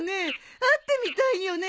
会ってみたいよね。